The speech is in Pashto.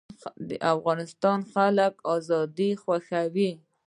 د افغانستان خلک ازادي خوښوي